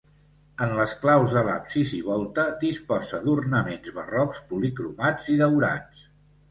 En les claus de l'absis i volta, disposa d'ornaments barrocs policromats i daurats.